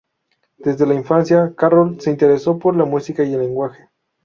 Desde la infancia Carroll se interesó por la música y el lenguaje.